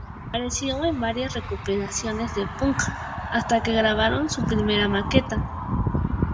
Aparecieron en varias recopilaciones de punk, hasta que grabaron su primera maqueta.